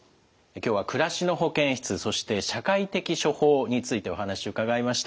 今日は「暮らしの保健室」そして「社会的処方」についてお話伺いました。